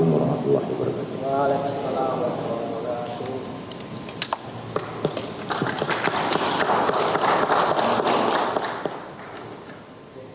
waalaikumsalam warahmatullahi wabarakatuh